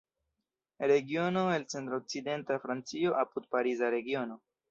Regiono el centr-okcidenta Francio apud Pariza Regiono.